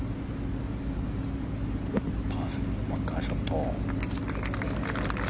パー３のバンカーショット。